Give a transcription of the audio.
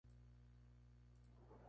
Carlos fue pintor autodidacta.